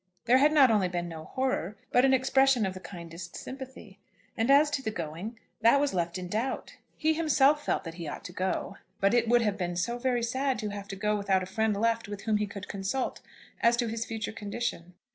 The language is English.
There had not only been no horror, but an expression of the kindest sympathy. And as to the going, that was left in doubt. He himself felt that he ought to go; but it would have been so very sad to have to go without a friend left with whom he could consult as to his future condition!